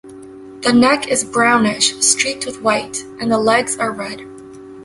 The neck is brownish, streaked with white, and the legs are red.